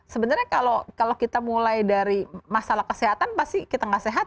sebenarnya kalau kita mulai dari masalah kesehatan pasti kita nggak sehat